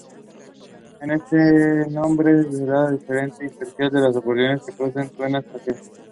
Este nombre se le da a diferentes especies de opuntia que producen tunas agrias.